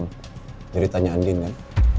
tentang diri tanya andien kan